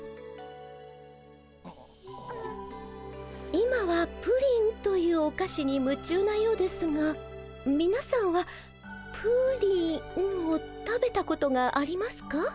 今はプリンというお菓子に夢中なようですがみなさんはプリンを食べたことがありますか？